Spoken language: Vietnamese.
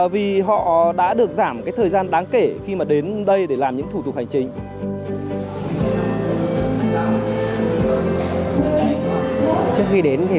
vì họ đã được giảm thời gian đáng kể khi mà đến đây để làm những thủ tục hành chính